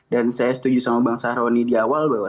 dan saya setuju sama bang saroni di awal bahwa